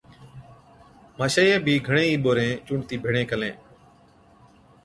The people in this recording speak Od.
ماشائِيئَي بِي گھڻي ئِي ٻورين چُونڊتِي ڀيڙين ڪلين،